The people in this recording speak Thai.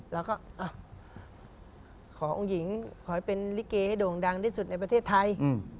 เราก็ขอองค์หญิงขอให้เป็นลิเกให้โด่งดังที่สุดในประเทศไทย